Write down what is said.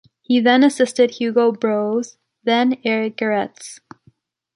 he then assisted Hugo Broos, then Éric Gerets.